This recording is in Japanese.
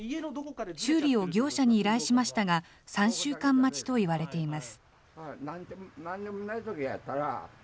修理を業者に依頼しましたが、３週間待ちと言われています。